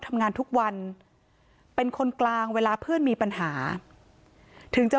ทำงานทุกวันเป็นคนกลางเวลาเพื่อนมีปัญหาถึงจะ